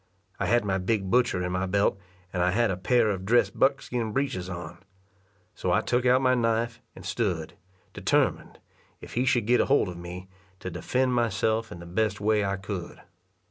I had my big butcher in my belt, and I had a pair of dressed buckskin breeches on. So I took out my knife, and stood, determined, if he should get hold of me, to defend myself in the best way I could.